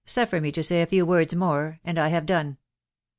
i6Q {hfier me to say a few words more, and I have done